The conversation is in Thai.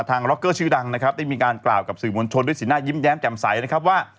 ร็อกเกอร์ชื่อดังนะครับได้มีการกล่าวกับสื่อมวลชนด้วยสีหน้ายิ้มแย้มแจ่มใสนะครับว่า